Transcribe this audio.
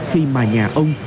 khi mà nhà ông